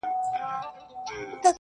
د څڼور تصوير چي په لاسونو کي دی,